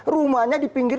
rumahnya di pinggir